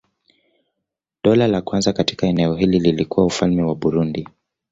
Dola la kwanza katika eneo hili lilikuwa Ufalme wa Burundi.